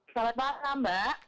selamat malam mbak